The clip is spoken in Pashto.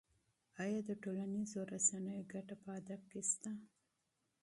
ایا د ټولنیزو رسنیو ګټه په ادب کې شته؟